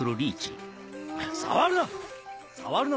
触るな！